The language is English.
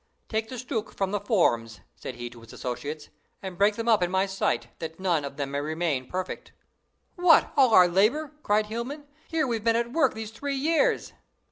"Take the stucke from the forms," said he to his associates, "and break them up in my sight, that none of them may remain perfect." "What, all our labor?" cried Hielman; "here we've been at work these three years!"